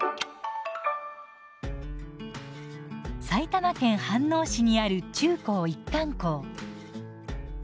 埼玉県飯能市にある中高一貫校。